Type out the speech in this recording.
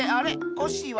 コッシーは？